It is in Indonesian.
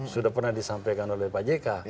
sudah pernah disampaikan oleh pak jk